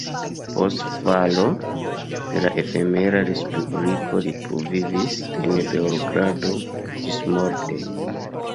Post falo de la efemera respubliko li pluvivis en Beogrado ĝismorte.